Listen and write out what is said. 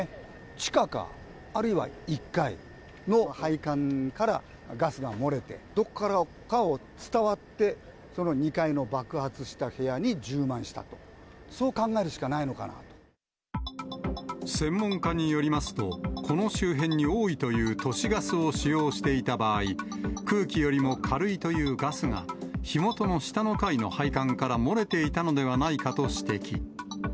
地下か、あるいは１階の配管からガスが漏れて、どこからかを伝わって、その２階の爆発した部屋に充満したと、専門家によりますと、この周辺に多いという、都市ガスを使用していた場合、空気よりも軽いというガスが、火元の下の階の配管から漏れていたのではないかと指摘。